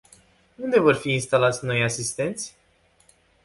Unde vor fi instalați noii asistenți?